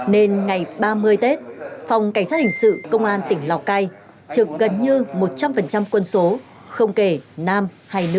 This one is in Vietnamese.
nên ngày ba mươi tết phòng cảnh sát hình sự công an tỉnh lào cai trực gần như một trăm linh quân số không kể nam hay nữ